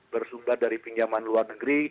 bersumber dari pinjaman luar negeri